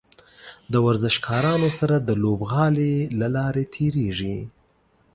د ورزشکارانو سره د لوبغالي له لارې تیریږي.